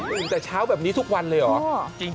ตื่นแต่เช้าแบบนี้ทุกวันเลยเหรอ